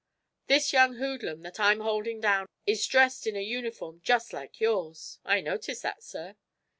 "This young hoodlum that I'm holding down is dressed in a uniform just like yours." "I noticed that, sir."